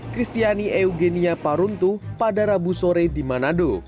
kristiani eugenia paruntu pada rabu sore di manado